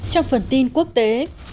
trong phần tin quốc tế